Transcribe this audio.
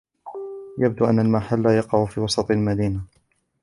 يبدو أن المحل يقع في وسط المدينة.